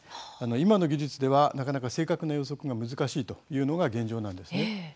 今の技術ではなかなか正確な予測が難しいというのが現状なんです。